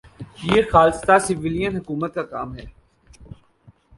یہ خالصتا سویلین حکومت کا کام ہے۔